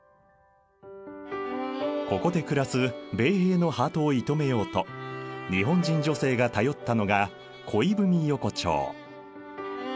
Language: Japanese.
ここで暮らす米兵のハートを射止めようと日本人女性が頼ったのが恋文横丁。